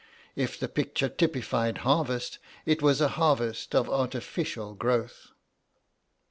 If the picture typified harvest, it was a harvest of artificial growth.